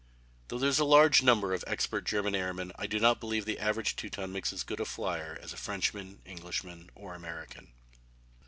Though there is a large number of expert German airmen I do not believe the average Teuton makes as good a flier as a Frenchman, Englishman, or American.